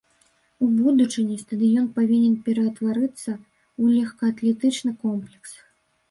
У будучыні стадыён павінен ператварыцца ў лёгкаатлетычны комплекс.